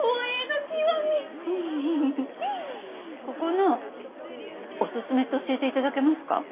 ここのおすすめって教えて頂けますか？